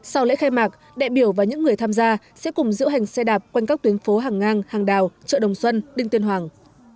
sau lễ khai mạc đại biểu và những người tham gia sẽ cùng diễu hành xe đạp quanh các tuyến phố hàng ngang hàng đào chợ đồng xuân đinh tuyên hoàng